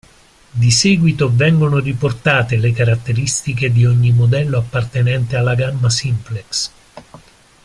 Di seguito vengono riportate le caratteristiche di ogni modello appartenente alla gamma "Simplex".